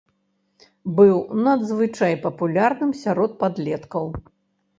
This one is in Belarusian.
Быў надзвычай папулярным сярод падлеткаў.